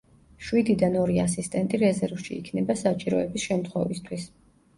შვიდიდან ორი ასისტენტი რეზერვში იქნება საჭიროების შემთხვევისთვის.